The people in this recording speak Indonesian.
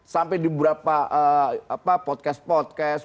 sampai diberapa podcast podcast